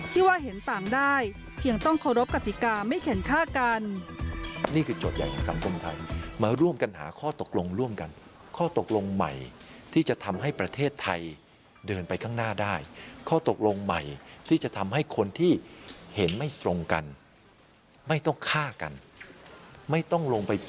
ที่ว่าเห็นต่างได้เพียงต้องเคารพกติกาไม่เข็นค่ากัน